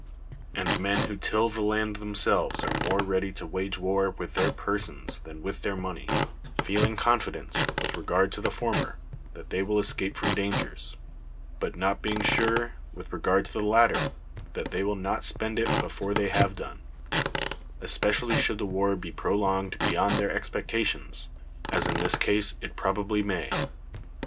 And men who till the land themselves are more ready to wage war with their persons than with their money : feeling confident, with regard to the former, that they will escape from dangers; but not being sure, with regard to the latter, that they will not spend it before they have done ; especially should the war be prolonged beyond their expectations, as [in this case] it probably may.